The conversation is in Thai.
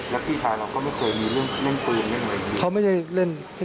แล้วพี่ชายเราก็ไม่เคยมีเรื่องเล่นปืนเล่นอะไร